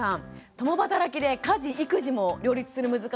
共働きで家事育児も両立する難しさ